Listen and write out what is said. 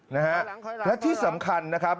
นะฮะและที่สำคัญนะครับ